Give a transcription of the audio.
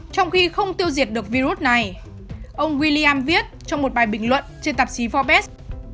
trong khi không tiêu diệt được virus này ông william viết trong một bài bình luận trên tạp chí forbes